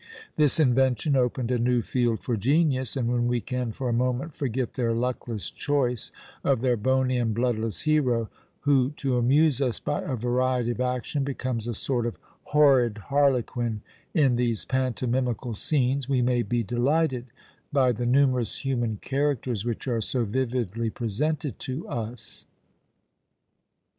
This invention opened a new field for genius; and when we can for a moment forget their luckless choice of their bony and bloodless hero, who to amuse us by a variety of action becomes a sort of horrid Harlequin in these pantomimical scenes, we may be delighted by the numerous human characters, which are so vividly presented to us.